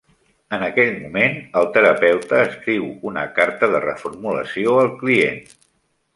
En aquell moment, el terapeuta escriu una carta de reformulació al client.